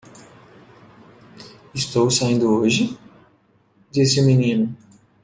"Estou saindo hoje?" disse o menino.